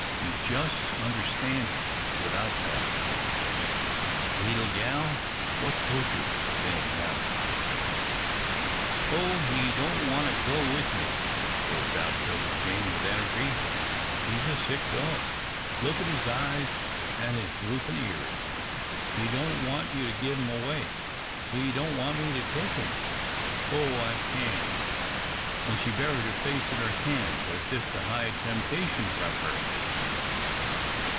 Ye jist understan' him without talk leetle gal, what's Poacher sayin' now?" "Oh, he don't want to go with me," burst out 'Tilda Jane, with energy. "He's a sick dog. Look at his eyes an' his droopin' ears. He don't want you to give him away. He don't want me to take him. Oh, I can't!" and she buried her face in her hands as if to hide temptation from her.